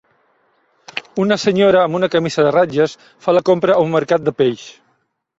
Una senyora amb una camisa de ratlles fa la compra a un mercat de peix.